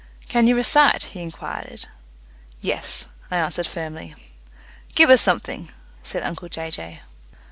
"Can you recite?" he inquired. "Yes," I answered firmly. "Give us something," said uncle Jay Jay.